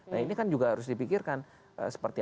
nah ini kan juga harus dipikirkan seperti